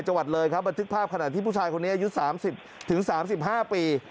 จังหวัดเลยครับบันทึกภาพขณะที่ผู้ชายคนนี้อายุ๓๐๓๕ปี